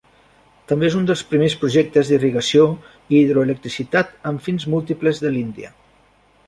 També és un dels primers projectes d'irrigació i hidroelectricitat amb fins múltiples de l'Índia.